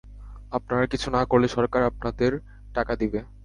আপনারা কিছু না করলে সরকার আপনাদের টাকা দিবে।